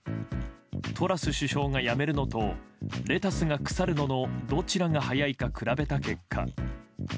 トラス首相が辞めるのとレタスが腐るののどちらが早いか比べた結果。